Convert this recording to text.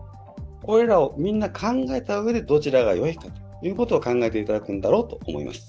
これらをみんな考えたうえでどちらがよいかを考えていただくんだろうと思います。